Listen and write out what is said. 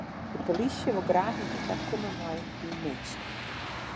De polysje wol graach yn kontakt komme mei dy minsken.